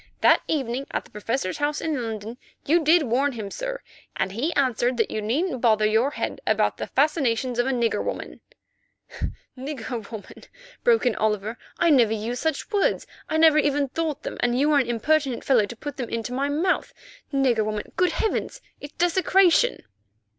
That evening at the Professor's house in London you did warn him, sir, and he answered that you needn't bother your head about the fascinations of a nigger woman——" "Nigger woman," broke out Oliver; "I never used such words; I never even thought them, and you are an impertinent fellow to put them into my mouth. Nigger woman! Good heavens! It's desecration."